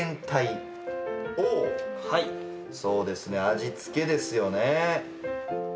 そうですね味付けですよね。